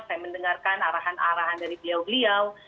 saya mendengarkan arahan arahan dari beliau beliau